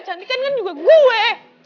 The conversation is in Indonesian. cantik kan juga gue